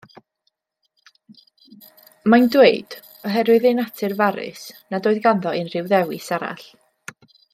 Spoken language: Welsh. Mae'n dweud, oherwydd ei natur farus, nad oedd ganddo unrhyw ddewis arall.